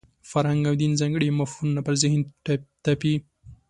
فرهنګ او دین ځانګړي مفهومونه پر ذهن تپي.